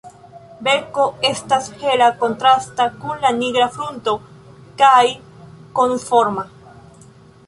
La beko estas hela, kontrasta kun la nigra frunto kaj konusforma.